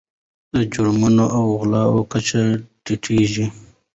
د جرمونو او غلاو کچه ټیټیږي.